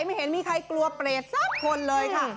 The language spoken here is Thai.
ไม่เห็นมีใครกลัวเปรตสักคนเลยค่ะ